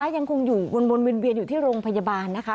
ยังคงอยู่วนเวียนอยู่ที่โรงพยาบาลนะคะ